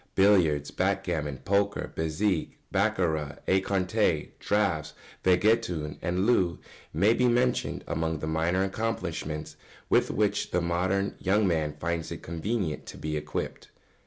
] Billiards, backgammon, poker, bézique, baccarat, écarté, draughts, vingt et un, and loo may be mentioned among the minor accomplishments with which the modern young man finds it convenient to be equipped.